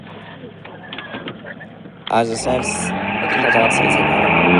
As a staunch isolationist, Johnson voted against the League of Nations.